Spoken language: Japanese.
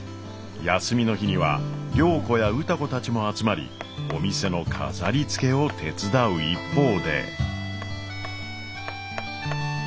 休みの日には良子や歌子たちも集まりお店の飾りつけを手伝う一方で。